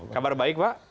kabar baik pak